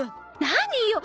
何よ！